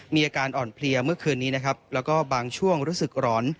มีอาการอ่อนเพลียเมื่อคืนนี้นะครับแล้วก็บางช่วงรู้สึกร้อน